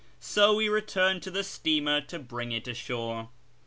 So we returned to the steamer to bring it ashore.